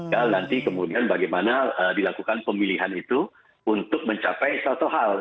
ya nanti kemudian bagaimana dilakukan pemilihan itu untuk mencapai suatu hal